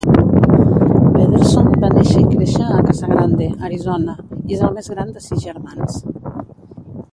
Pederson va néixer i créixer a Casa Grande, Arizona, i és el més gran de sis germans.